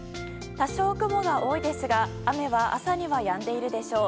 多少、雲が多いですが雨は朝にはやんでいるでしょう。